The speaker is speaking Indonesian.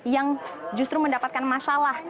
yang justru mendapatkan masalah